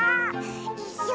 いっしょ！